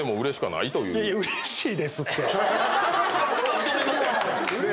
認めましたよ。